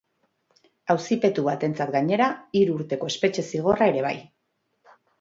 Auzipetu batentzat, gainera, hiru urteko espetxe zigorra ere bai.